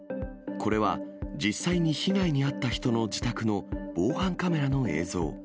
これは、実際に被害に遭った人の自宅の防犯カメラの映像。